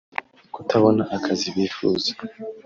Kutabona akazi bifuza